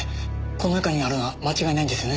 この中にあるのは間違いないんですよね？